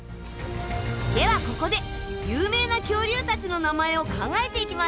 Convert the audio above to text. ではここで有名な恐竜たちの名前を考えていきましょう。